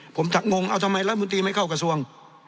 ผมงงเอาทำไมรัฐมนตรีไม่เข้ากระทรวง